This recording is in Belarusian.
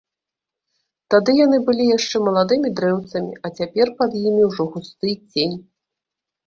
Тады яны былі яшчэ маладымі дрэўцамі, а цяпер пад імі ўжо густы цень.